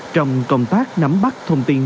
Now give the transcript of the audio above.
trong công tác nắm bắt thông tin